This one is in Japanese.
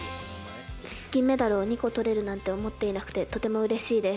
銀メダルを２個とれるなんて思っていなくて、とてもうれしいです。